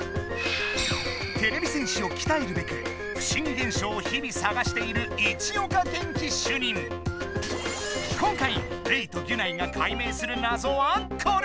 てれび戦士をきたえるべく不思議現象を日々さがしている今回レイとギュナイが解明するなぞはこれだ！